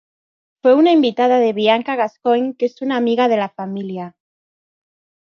Fue una invitada de Bianca Gascoigne, que es una amiga de la familia.